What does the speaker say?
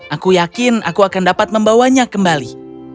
aku yakin aku akan dapat membawanya kembali